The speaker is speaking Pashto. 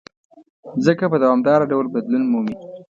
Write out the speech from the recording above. مځکه په دوامداره ډول بدلون مومي.